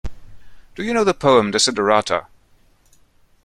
Do you know the poem Desiderata?